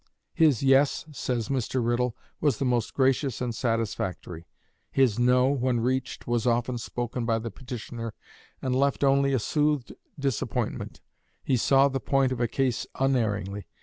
"His Yes," says Mr. Riddle, "was most gracious and satisfactory; his No, when reached, was often spoken by the petitioner, and left only a soothed disappointment. He saw the point of a case unerringly.